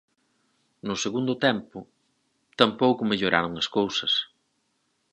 No segundo tempo tampouco melloraron as cousas.